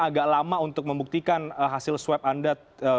agak lama untuk membuktikan hasil swab anda